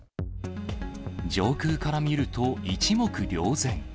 上空から見ると一目瞭然。